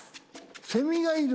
セミがいる？